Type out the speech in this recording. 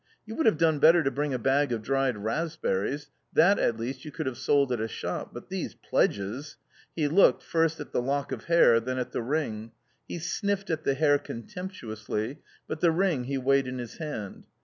"You would have done better to bring a bag of dried raspberries, that at least you could have sold at a shop, but these pledges ...." He looked, first at the lock of hair then at the ring. He sniffed at the hair contemptuously, but the ring he weighed in his hand.